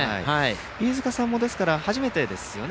飯塚さんも初めてですよね。